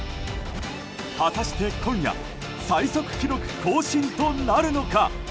果たして今夜最速記録更新となるのか。